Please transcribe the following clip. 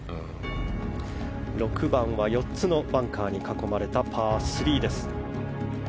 ６番は４つのバンカーに囲まれた囲まれたパー３です。